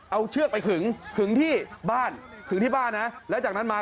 เอาเชือกไปขึงขึงที่บ้านขึงที่บ้านนะแล้วจากนั้นมา